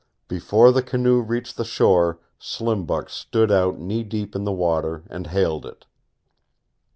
Before the canoe reached the shore Slim Buck stood out knee deep in the water and hailed it.